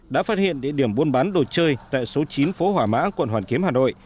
đã phát hiện địa điểm buôn bán đồ chơi tại số chín phố hỏa mã quận hoàn kiếm hà nội